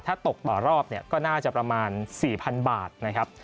ถ้าตกต่อรอบเนี่ยก็น่าจะประมาณ๔๐๐๐บาทนะครับ